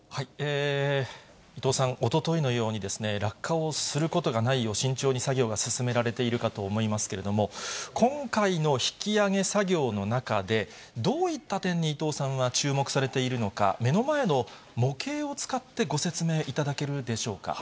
伊藤さん、おとといのように落下をすることがないよう、慎重に作業が進められているかと思いますけども、今回の引き揚げ作業の中で、どういった点に伊藤さんは注目されているのか、目の前の模型を使ってご説明いただけるでしょうか。